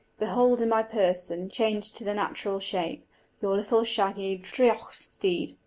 Behold in my person, changed to the natural shape, your little shaggy draoidheacht steed!